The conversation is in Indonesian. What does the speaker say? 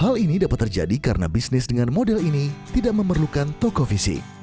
hal ini dapat terjadi karena bisnis dengan model ini tidak memerlukan toko fisik